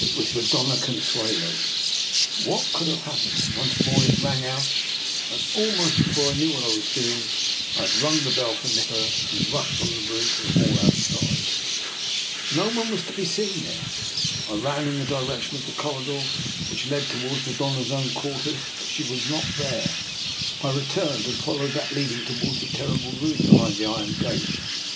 NIKOLA'S EXPERIMENT. 195 the Dona Consuelo's. What could have hap pened? Once more it rang out, and almost before I knew what I was doing I had rung the bell for Nikola, and had rushed from the room into the hall outside. No one was to be seen there. I ran in the direction of the corridor which led towards the Doiia's own quarters, but she was not there! I returned and followed that leading towards that ter rible room behind the iron gate.